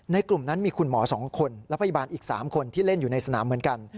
กลุ่มนั้นมีคุณหมอ๒คนและพยาบาลอีก๓คนที่เล่นอยู่ในสนามเหมือนกัน